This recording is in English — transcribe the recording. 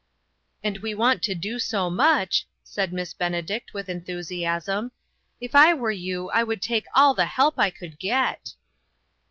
"And we want to do so much," said Miss Benedict, with enthusiasm; "if I were you I would take all the help I could get."